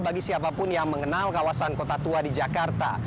bagi siapapun yang mengenal kawasan kota tua di jakarta